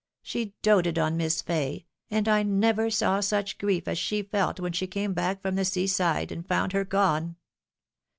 She doted on Miss Fay, and I never saw such grief as she felt when she came back from the sea side and found her gone.